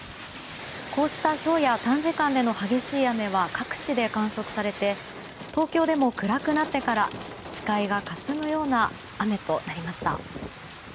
こうしたひょうや短時間での激しい雨は各地で観測されて東京でも暗くなってから視界がかすむような雨となりました。